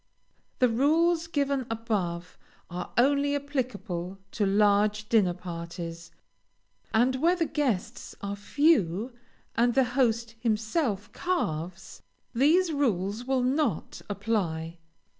The rules given above are only applicable to large dinner parties, and where the guests are few, and the host himself carves, these rules will not apply.